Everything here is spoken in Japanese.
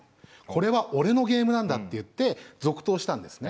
これは俺のゲームなんだって言って続投したんですね。